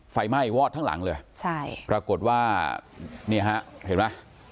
ไฟไหม้วอดทั้งหลังเลยใช่ปรากฏว่าเนี่ยฮะเห็นไหม